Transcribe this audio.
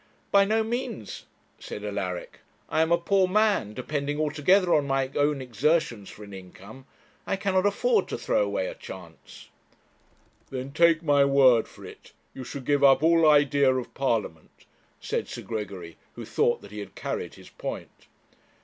'By no means,' said Alaric; 'I am a poor man, depending altogether on my own exertions for an income. I cannot afford to throw away a chance.' 'Then take my word for it, you should give up all idea of Parliament,' said Sir Gregory, who thought that he had carried his point.